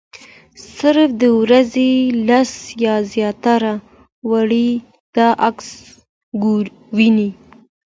صرف د ورځې لس یا زیات وارې دا عکس وښيي.